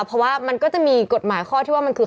เพราะว่ามันก็จะมีกฎหมายข้อที่ว่ามันคือ